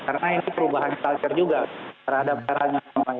karena ini perubahan struktur juga terhadap hal hal yang sama ini